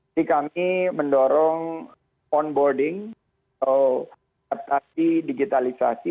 jadi kami mendorong onboarding atau adaptasi digitalisasi